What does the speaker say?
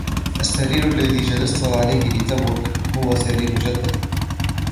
السرير الذي جلست عليه لتوك هو سرير جدتي